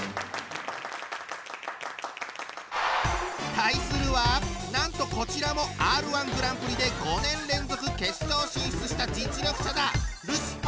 対するはなんとこちらもＲ−１グランプリで５年連続決勝進出した実力者だ！